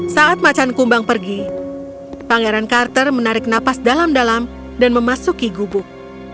saat macan kumbang pergi pangeran carter menarik nafas dalam dalam dan memasuki gubuk